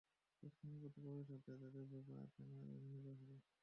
খুব সম্ভবত পরের সপ্তাহে তোদের বাবা জেনারেল ম্যানেজার হবে।